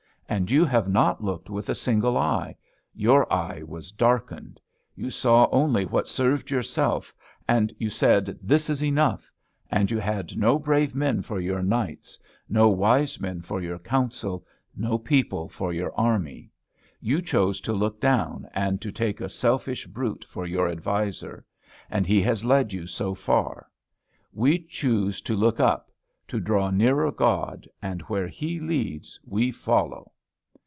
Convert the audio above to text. And you have not looked with a single eye; your eye was darkened. You saw only what served yourself. And you said, 'This is enough;' and you had no brave men for your knights; no wise men for your council; no people for your army. You chose to look down, and to take a selfish brute for your adviser. And he has led you so far. We choose to look up; to draw nearer God; and where He leads we follow."